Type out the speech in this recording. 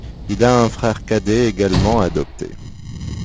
Il a un frère cadet également adopté.